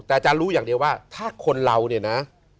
แต่อาจารย์รู้อย่างเดียวว่าถ้าคนเราเนี่ยนะ